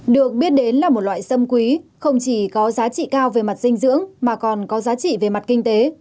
được biết đến là một loại sâm quý không chỉ có giá trị cao về mặt dinh dưỡng mà còn có giá trị về mặt kinh tế